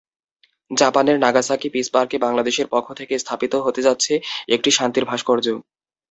জাপানের Nagasaki peace পার্কে বাংলাদেশের পক্ষ থেকে স্থাপিত হতে যাচ্ছে একটি শান্তির ভাস্কর্য।